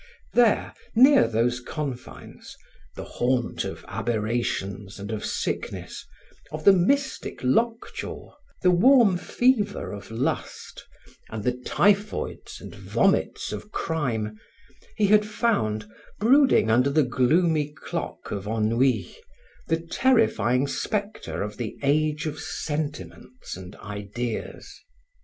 There, near those confines, the haunt of aberrations and of sickness, of the mystic lockjaw, the warm fever of lust, and the typhoids and vomits of crime, he had found, brooding under the gloomy clock of Ennui, the terrifying spectre of the age of sentiments and ideas.